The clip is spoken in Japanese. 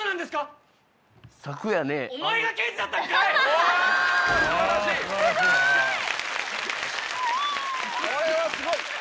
すごい！